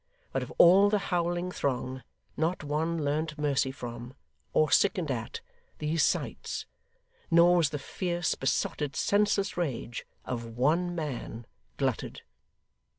But of all the howling throng not one learnt mercy from, or sickened at, these sights; nor was the fierce, besotted, senseless rage of one man glutted.